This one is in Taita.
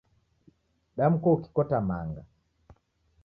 Damkua ukikota manga